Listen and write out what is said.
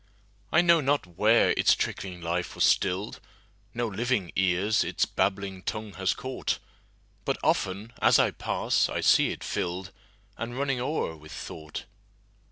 I know not where its trickling life was still'd; No living ears its babbling tongue has caught; But often, as I pass, I see it fill'dAnd running o'er with thought.